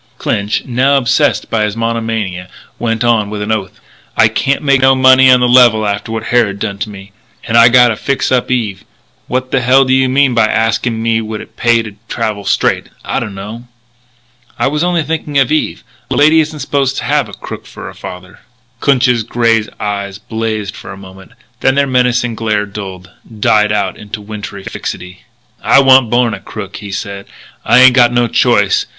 Clinch, now obsessed by his monomania, went on with an oath: "I can't make no money on the level after what Harrod done to me. And I gotta fix up Eve. What the hell do you mean by asking me would it pay me to travel straight I dunno." "I was only thinking of Eve. A lady isn't supposed to have a crook for a father." Clinch's grey eyes blazed for a moment, then their menacing glare dulled, died out into wintry fixity. "I wan't born a crook," he said. "I ain't got no choice.